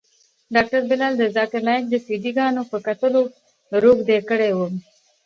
ډاکتر بلال د ذاکر نايک د سي ډي ګانو په کتلو روږدى کړى وم.